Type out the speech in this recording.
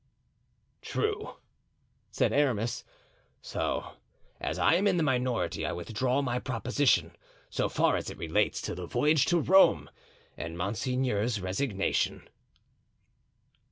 "True," said Aramis, "so, as I am in a minority, I withdraw my proposition, so far as it relates to the voyage to Rome and monseigneur's resignation."